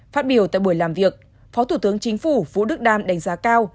phát biểu tại buổi làm việc phó thủ tướng chính phủ vũ đức đam đánh giá cao